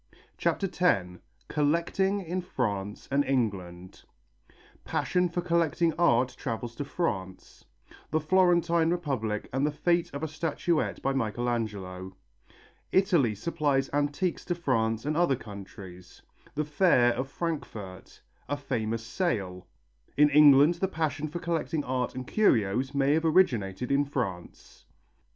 CHAPTER X COLLECTING IN FRANCE AND ENGLAND Passion for collecting art travels to France The Florentine Republic and the fate of a statuette by Michelangelo Italy supplies antiques to France and other countries The fair of Frankfurt A famous sale In England the passion for collecting art and curios may have originated in France.